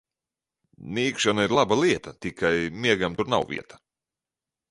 Nīkšana ir laba lieta, tikai miegam tur nav vieta.